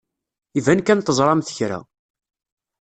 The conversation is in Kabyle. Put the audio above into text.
Iban kan teẓramt kra.